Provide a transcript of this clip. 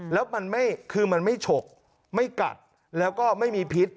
แล้วมันไม่คือมันไม่ฉกไม่กัดแล้วก็ไม่มีพิษ